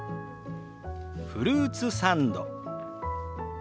フルーツサンド。